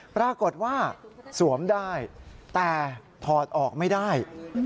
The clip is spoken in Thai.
ปรากฏว่าสวมได้แต่ถอดออกไม่ได้